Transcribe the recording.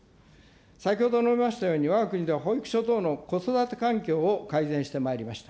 先ほど述べましたように、わが国では保育所等の子育て環境を改善してまいりました。